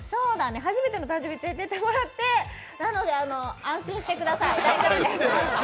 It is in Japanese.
初めて誕生日に連れてってもらって、なので安心してください。